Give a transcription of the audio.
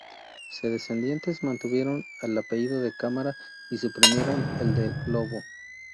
Sus descendientes mantuvieron el apellido da Câmara y suprimieron el de Lobo.